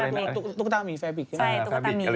ใช่ตุกต้านนี้